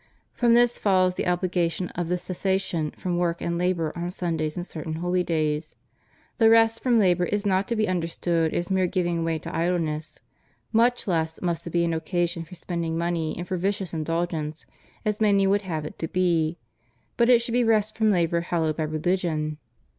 From this follows the obligation of the cessation from work and labor on Sundays and certain holy days. The rest from labor is not to be understood as mere giving way to idleness; much less must it be an occasion for spending money and for vicious indulgence, as many would have it to be; but it should be rest from labor, hallowed by religion.